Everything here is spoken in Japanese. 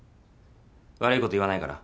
悪いこと言わないから。